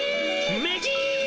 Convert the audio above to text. めじ。